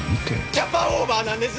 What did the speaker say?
キャパオーバーなんです！